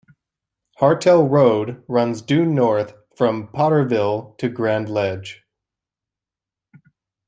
Hartel Road runs due north from Potterville to Grand Ledge.